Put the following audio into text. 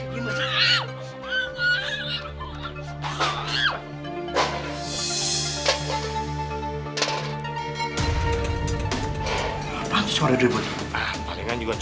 sampai jumpa di video selanjutnya